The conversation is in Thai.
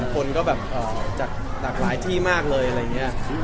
คนก็แบบจากหลากหลายที่มากเลยอะไรอย่างนี้